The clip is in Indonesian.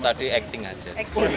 tadi acting aja